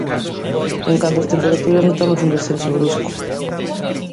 En canto ás temperaturas notamos un descenso brusco.